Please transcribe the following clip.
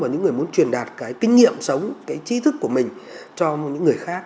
và những người muốn truyền đạt cái kinh nghiệm sống cái trí thức của mình cho những người khác